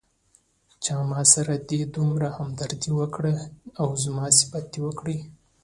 چې ماسره دې دومره همدردي وکړه او زما صفت دې وکړ.